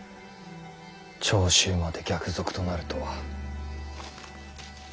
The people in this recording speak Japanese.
長州まで逆賊となるとは。